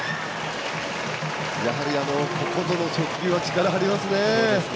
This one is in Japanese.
やはり、ここぞの速球は力がありますね。